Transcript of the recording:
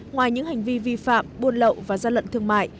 ngoài những hành vi vi phạm buôn lậu và gian lận thương mại